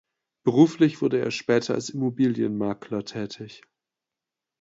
Beruflich wurde er später als Immobilienmakler tätig.